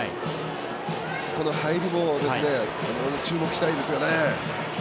この入りも注目したいですよね。